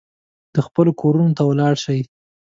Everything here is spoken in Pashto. خپلو کورونو ته ولاړ شي.